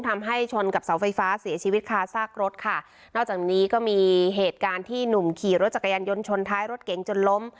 ทำให้ชนกับเสาไฟฟ้าเสียชีวิตคาซากรถค่ะนอกจากนี้ก็มีเหตุการณ์ที่หนุ่มขี่รถจักรยานยนต์ชนท้ายรถเก๋งจนล้ม